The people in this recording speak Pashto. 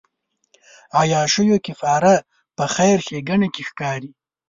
عیاشیو کفاره په خیر ښېګڼې کې ښکاري.